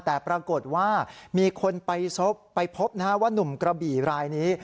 แต่ปรากฏว่ามีคนไปพบว่านุ่มกระบี่รายนี้